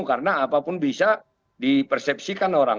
karena apapun bisa dipersepsikan orang